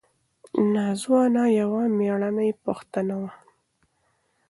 نازو انا یوه مېړنۍ پښتنه وه.